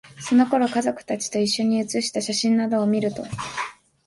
その頃の、家族達と一緒に写した写真などを見ると、